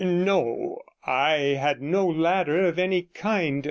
'No, I have had no ladder of any kind.